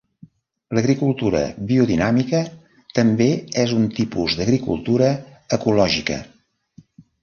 L'agricultura biodinàmica també és un tipus d'agricultura ecològica.